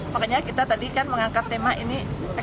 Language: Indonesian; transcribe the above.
makanya kita tadi kan mengangkat tema ini